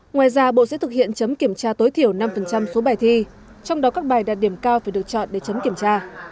ngoài ra bộ sẽ thực hiện chấm kiểm tra tối thiểu năm số bài thi trong đó các bài đạt điểm cao phải được chọn để chấm kiểm tra